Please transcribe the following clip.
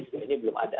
sebenarnya belum ada